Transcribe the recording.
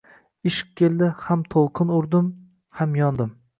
Ishq keldi, ham to‘lqin urdim, ham yondim!